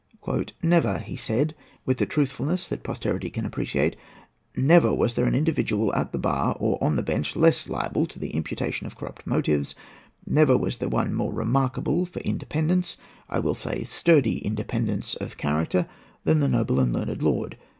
"Never," he said, with a truthfulness that posterity can appreciate, "never was there an individual at the bar or on the bench less liable to the imputation of corrupt motives; never was there one more remarkable for independence—I will say, sturdy independence—of character, than the noble and learned lord.